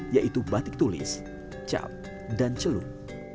yaitu batik tulis cap dan celup